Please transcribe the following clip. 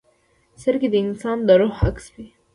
سترګې د انسان د روح عکس وي